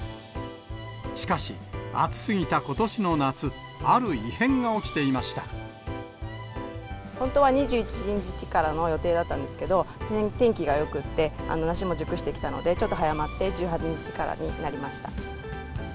しかし、暑すぎたことしの夏、本当は２１日からの予定だったんですけど、天気がよくて梨も熟してきたので、ちょっと早まって１８日からになりました。